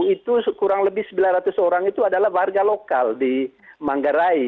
itu kurang lebih sembilan ratus orang itu adalah warga lokal di manggarai